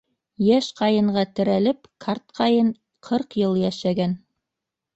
Йәш ҡайынға терәлеп, карт ҡайын ҡырҡ йыл йәшәгән.